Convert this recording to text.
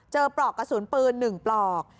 ปลอกกระสุนปืน๑ปลอก